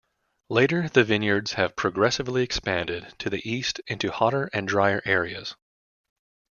Later, the vineyards have progressively expanded to the east into hotter and drier areas.